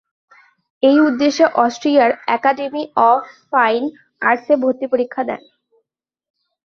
এই উদ্দেশ্যে অস্ট্রিয়ার "একাডেমি অফ ফাইন আর্টস"-এ ভর্তি পরীক্ষা দেন।